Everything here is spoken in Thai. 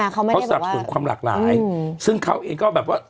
เขาสรรพสุนความหลากหลายซึ่งเขาเองก็แบบว่า